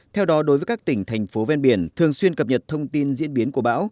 theo đó đối với các tỉnh thành phố ven biển thường xuyên cập nhật thông tin diễn biến của bão